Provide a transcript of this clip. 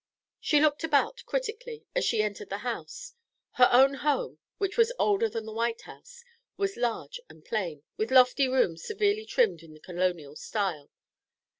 She looked about critically as she entered the house. Her own home, which was older than the White House, was large and plain, with lofty rooms severely trimmed in the colonial style.